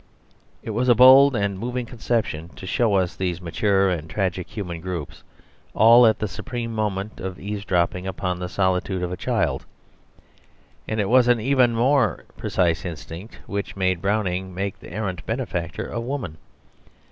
It was a bold and moving conception to show us these mature and tragic human groups all at the supreme moment eavesdropping upon the solitude of a child. And it was an even more precise instinct which made Browning make the errant benefactor a woman.